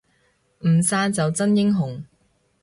唔散就真英雄